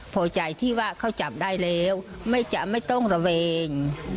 พอใจที่ว่าเขาจับได้แล้วไม่ต้องระเวง